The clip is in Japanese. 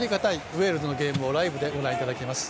ウェールズの戦いをライブでご覧いただきます。